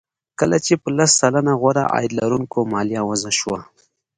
کله چې په لس سلنه غوره عاید لرونکو مالیه وضع شوه